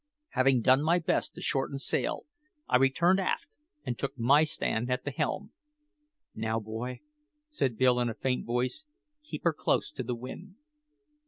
Having done my best to shorten sail, I returned aft, and took my stand at the helm. "Now, boy," said Bill in a faint voice, "keep her close to the wind."